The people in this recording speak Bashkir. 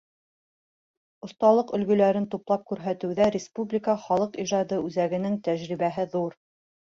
Оҫталыҡ өлгөләрен туплап күрһәтеүҙә Республика халыҡ ижады үҙәгенең тәжрибәһе ҙур.